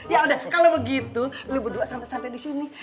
ya udah kalau begitu lu berdua santai santai di sini